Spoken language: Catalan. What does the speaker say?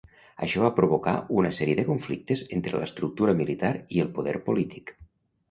Això va provocar una sèrie de conflictes entre l'estructura militar i el poder polític.